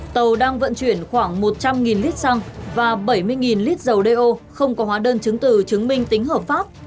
tàu đang vận chuyển khoảng một trăm linh lít xăng và bảy mươi lít dầu đeo không có hóa đơn chứng từ chứng minh tính hợp pháp